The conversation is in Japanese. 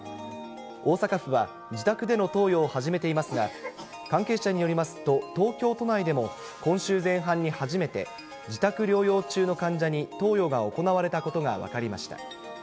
大阪府は自宅での投与を始めていますが、関係者によりますと、東京都内でも、今週前半に初めて自宅療養中の患者に投与が行われたことが分かりました。